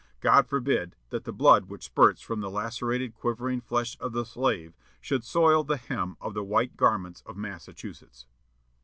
God forbid that the blood which spurts from the lacerated quivering flesh of the slave should soil the hem of the white garments of Massachusetts."